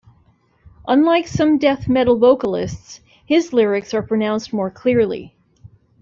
Unlike some death metal vocalists, his lyrics are pronounced more clearly.